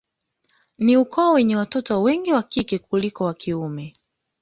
Ni ukoo wenye watoto wengi wa kike kuliko wa kiume